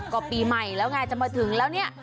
ก็ปีใหม่แล้วไงจะมาถึงแล้วเนี่ย